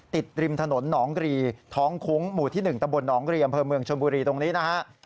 ริมถนนหนองกรีท้องคุ้งหมู่ที่๑ตะบลหนองรีอำเภอเมืองชนบุรีตรงนี้นะฮะ